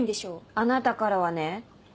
あなたからはね。